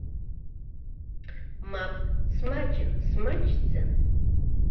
Мап, смаҷын, смаҷӡан.